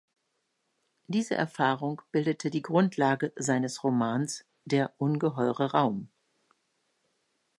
Diese Erfahrung bildete die Grundlage seines Romans "Der ungeheure Raum".